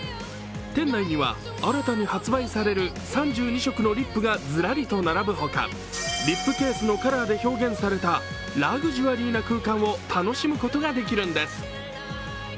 店内には新たに発売される３２色のリップがずらりと並ぶほかリップケースのカラーで表現された、ラグジュアリーな空間を楽しむことができるんです。